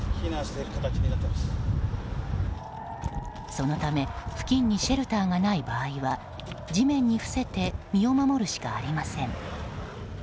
そのため付近にシェルターがない場合は地面に伏せて身を守るしかありません。